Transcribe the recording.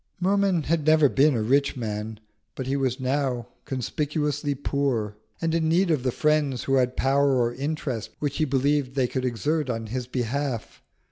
Merman had never been a rich man, but he was now conspicuously poor, and in need of the friends who had power or interest which he believed they could exert on his behalf.